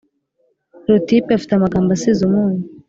Rotipe Afite amagambo assize umunyu